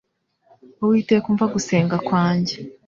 uwiteka umva gusenga kwanjye